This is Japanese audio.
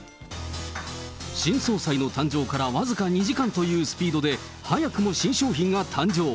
新総裁の誕生から僅か２時間というスピードで、早くも新商品が誕生。